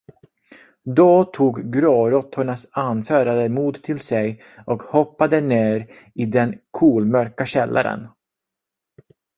Då tog gråråttornas anförare mod till sig och hoppade ner i den kolmörka källaren.